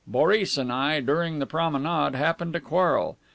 Boris and I, during the promenade, happened to quarrel.